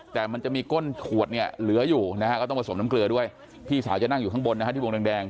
แต่มันจะมีก้นขวดเนี่ยเหลืออยู่นะฮะก็ต้องผสมน้ำเกลือด้วยพี่สาวจะนั่งอยู่ข้างบนนะฮะที่วงแดง